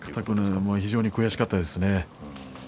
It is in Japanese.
非常に悔しかったですね。